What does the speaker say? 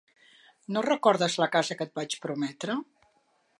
No recordes la casa que et vaig prometre?